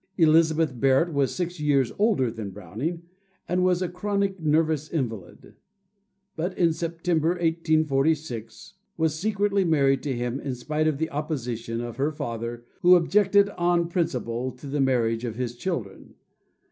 Elizabeth Barrett was six years older than Browning, and was a chronic nervous invalid; but in September, 1846, was secretly married to him in spite of the opposition of her father, who objected on principle to the marriage of his children.